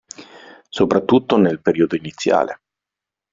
Soprattutto nel periodo iniziale.